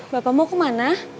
bapak mau kemana